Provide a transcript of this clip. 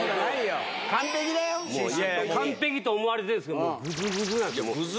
完璧と思われてるんですけど。